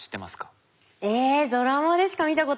えドラマでしか見たことないですね。